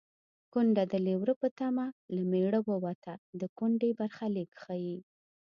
کونډه د لېوره په تمه له مېړه ووته د کونډې برخلیک ښيي